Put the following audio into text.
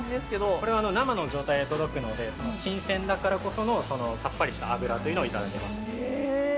これは生の状態で届くので、新鮮だからこそのさっぱりした脂というのを頂けますね。